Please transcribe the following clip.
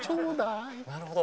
なるほど。